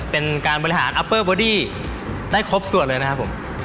เป็นการบริหารได้ครบส่วนเลยนะครับผม